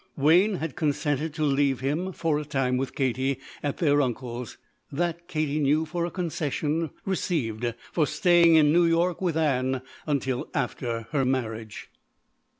Wayne had consented to leave him for a time with Katie at their uncle's. That Katie knew for a concession received for staying in New York with Ann until after her marriage.